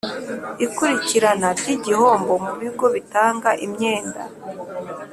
Ikurikirana ry igihombo mu bigo bitanga imyenda